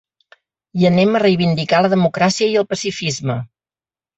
Hi anem a reivindicar la democràcia i el pacifisme.